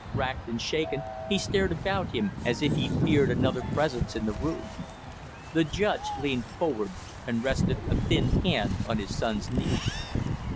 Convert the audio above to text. Racked and shaken, he stared about him as if he feared another presence in the room. The judge leaned forward and rested a thin hand on his son's knee.